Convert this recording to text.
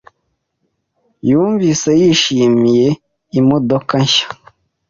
Yumvise yishimiye imodoka nshya.